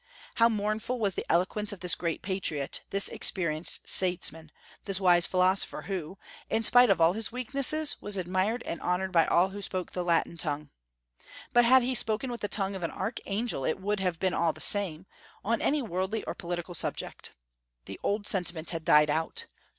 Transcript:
How mournful was the eloquence of this great patriot, this experienced statesman, this wise philosopher, who, in spite of all his weaknesses, was admired and honored by all who spoke the Latin tongue. But had he spoken with the tongue of an archangel it would have been all the same, on any worldly or political subject. The old sentiments had died out.